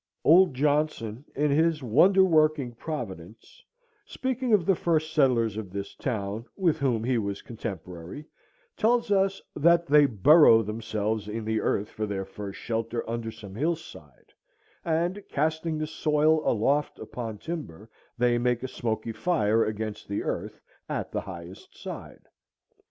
Old Johnson, in his "Wonder Working Providence," speaking of the first settlers of this town, with whom he was contemporary, tells us that "they burrow themselves in the earth for their first shelter under some hillside, and, casting the soil aloft upon timber, they make a smoky fire against the earth, at the highest side."